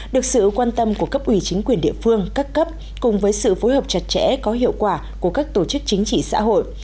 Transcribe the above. được sự quan tâm của cấp ủy chính quyền địa phương các cấp cùng với sự phối hợp chặt chẽ có hiệu quả của các tổ chức chính trị xã hội